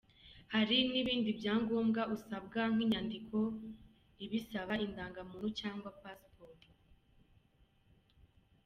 Hari n’ibindi byangombwa usabwa nk’inyandiko ibisaba, indangamuntu cyangwa passport,”.